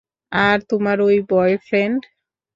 আর তোমার ঐ বয়ফ্রেন্ড।